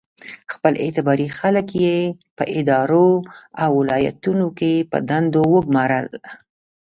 خپل اعتباري خلک یې په ادارو او ولایتونو کې په دندو وګومارل.